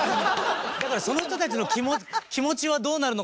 だからその人たちの気持ちはどうなるのかなっていうのと。